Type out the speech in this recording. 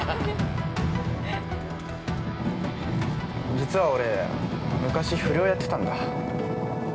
◆実は俺、昔不良やってたんだ。